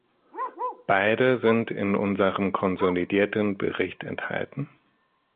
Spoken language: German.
Beide sind in unserem konsolidierten Bericht enthalten.